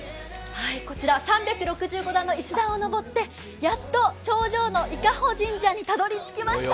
こちら３６５段の石段を上ってやっと頂上の伊香保神社にたどり着きました。